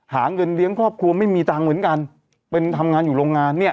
หาเงินเลี้ยงครอบครัวไม่มีตังค์เหมือนกันเป็นทำงานอยู่โรงงานเนี่ย